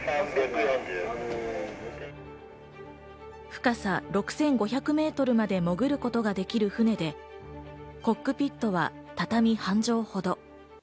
深さ６５００メートルまで潜ることができる船で、コックピットは畳半畳ほど。